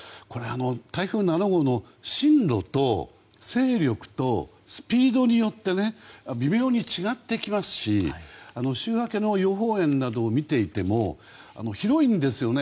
台風７号の進路と勢力とスピードによって微妙に違ってきますし週明けの予報円などを見ていても広いんですよね。